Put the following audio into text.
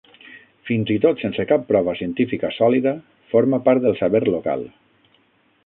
Fins i tot sense cap prova científica sòlida, forma part del saber local.